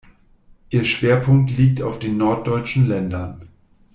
Ihr Schwerpunkt liegt auf den norddeutschen Ländern.